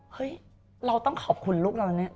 เฮ้ยเราต้องขอบคุณลูกเรานะเนี่ย